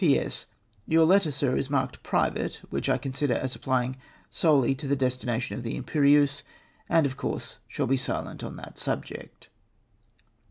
" P.S. Your letter. Sir, is marked ' private,' which 1 con sider as applying solely to the destination of the Imperieuse, and, of course, shall be silent on that subject."